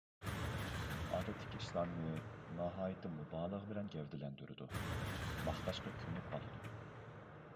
ئادەتتىكى ئىشلارنى ناھايىتى مۇبالىغە بىلەن گەۋدىلەندۈرىدۇ، ماختاشقا كۆنۈپ قالىدۇ.